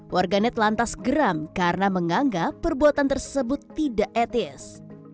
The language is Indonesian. warganet lantas geram karena menganggap perbuatan tersebut tidak etis